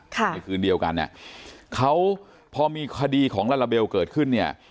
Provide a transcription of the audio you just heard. ในคืนเดียวกันเนี่ยเขาพอมีคดีของลาลาเบลเกิดขึ้นเนี่ย